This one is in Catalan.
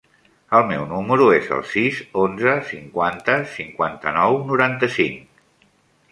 El meu número es el sis, onze, cinquanta, cinquanta-nou, noranta-cinc.